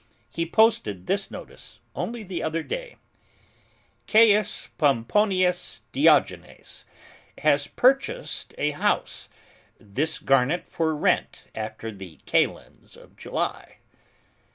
He posted this notice, only the other day: CAIUS POMPONIUS DIOGENES HAS PURCHASED A HOUSE THIS GARRET FOR RENT AFTER THE KALENDS OF JULY.